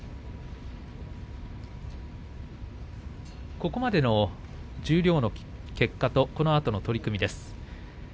ここまでの十両の結果とこのあとの取組です。